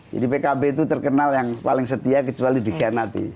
jadi pkb itu terkenal yang paling setia kecuali dikhianati